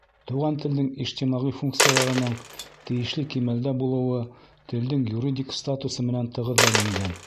Туған телдең ижтимағи функцияларының тейешле кимәлдә булыуы телдең юридик статусы менән тығыҙ бәйләнгән.